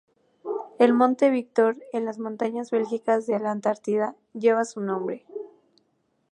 El Monte Victor, en las montañas Belgica de la Antártida, lleva su nombre.